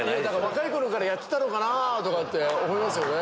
若い頃からやってたのかなって思いますよね。